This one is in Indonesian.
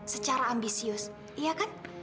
secara ambisius iya kan